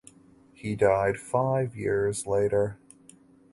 He died five years later.